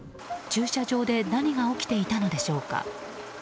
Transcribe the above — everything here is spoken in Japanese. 駐車場で何が起きていたのでしょうか。